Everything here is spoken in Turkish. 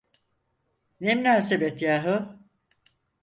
Ne münasebet yahu!